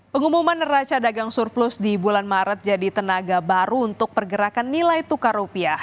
pengumuman neraca dagang surplus di bulan maret jadi tenaga baru untuk pergerakan nilai tukar rupiah